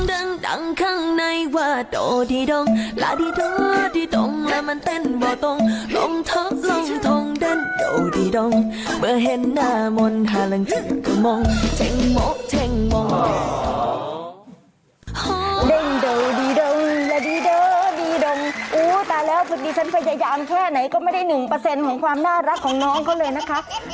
โอ้ตายแล้วสดีฉันพยายามแค่ไหนก็ไม่ได้๑ของความน่ารักของน้องเขาเลยนะครับ